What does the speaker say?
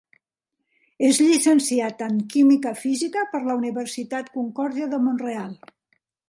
És llicenciat en Química física per la Universitat Concordia de Mont-real.